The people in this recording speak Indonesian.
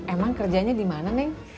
emang kerjanya dimana neng